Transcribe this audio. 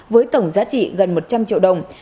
với tổng giá trị gần một trăm linh triệu đồng